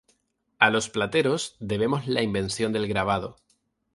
A los plateros debemos la invención del grabado.